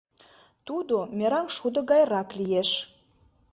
Тудо мераҥшудо гайрак лиеш.